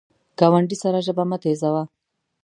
ګاونډي سره ژبه مه تیزوه